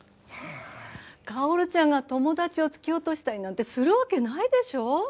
かおるちゃんが友達を突き落としたりなんてするわけないでしょう？